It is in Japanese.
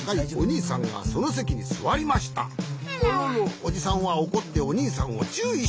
おじさんはおこっておにいさんをちゅういしました。